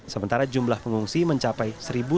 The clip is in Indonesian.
sementara jumlah pengungsi mencapai satu seratus jiwa